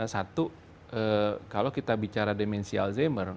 satu kalau kita bicara demensi alzheimer